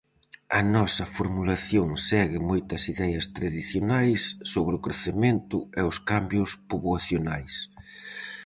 A nosa formulación segue moitas ideas tradicionais sobre o crecemento o os cambios poboacionais.